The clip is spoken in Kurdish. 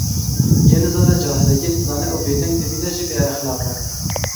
Yê nizane, cahil e; yê dizane û bêdeng dimîne jî bêexlaq e.